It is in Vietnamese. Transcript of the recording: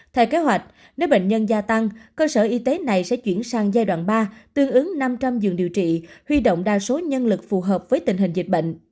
theo kế hoạch nếu bệnh nhân gia tăng cơ sở y tế này sẽ chuyển sang giai đoạn ba tương ứng năm trăm linh giường điều trị huy động đa số nhân lực phù hợp với tình hình dịch bệnh